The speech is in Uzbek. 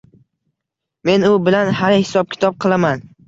Men u bilan hali hisob-kitob qilaman